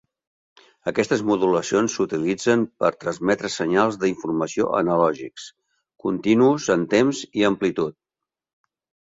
Aquestes modulacions s'utilitzen per transmetre senyals d'informació analògics, continus en temps i amplitud.